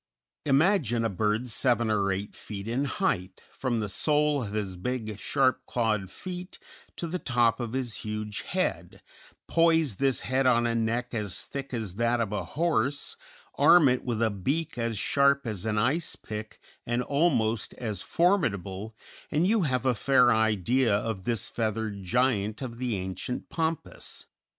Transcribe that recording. Imagine a bird seven or eight feet in height from the sole of his big, sharp clawed feet, to the top of his huge head, poise this head on a neck as thick as that of a horse, arm it with a beak as sharp as an icepick and almost as formidable, and you have a fair idea of this feathered giant of the ancient pampas.